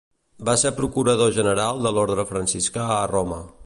Va ser procurador general de l'orde franciscà a Roma.